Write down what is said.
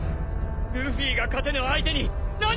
ルフィが勝てぬ相手に何ができる！